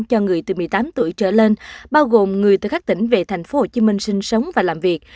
cho người từ một mươi tám tuổi trở lên bao gồm người từ các tỉnh về tp hcm sinh sống và làm việc